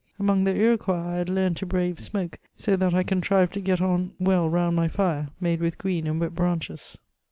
Among the Iroquois I had learned to. brave smoke, so that I contrived to get on well round my fire,, made with green and wet branches.